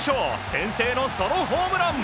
先制のソロホームラン！